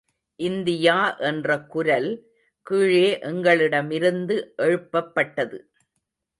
India என்ற குரல் கீழே எங்களிடமிருந்து எழுப் பப்பட்டது.